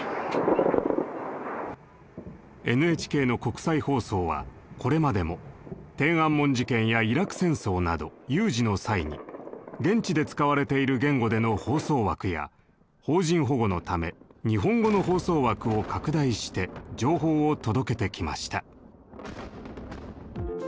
ＮＨＫの国際放送はこれまでも天安門事件やイラク戦争など有事の際に現地で使われている言語での放送枠や邦人保護のため日本語の放送枠を拡大して情報を届けてきました。